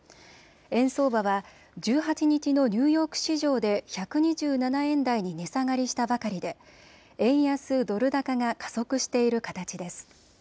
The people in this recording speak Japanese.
円相場は１８日のニューヨーク市場で１２７円台に値下がりしたばかりで円安ドル高が加速している形です。